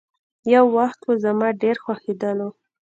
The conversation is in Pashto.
يو وخت وو، زما ډېر خوښيدلو.